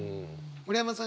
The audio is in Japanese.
村山さん